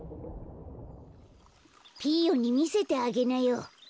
ピーヨンにみせてあげなよ。